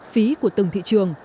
phí của từng thị trường